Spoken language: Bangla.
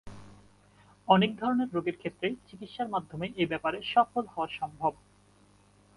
অনেক ধরনের রোগের ক্ষেত্রেই চিকিৎসার মাধ্যমে এ ব্যাপারে সফল হওয়া সম্ভব।